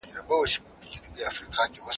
د دوامداره رنګولو حساسیت پیدا کولی شي.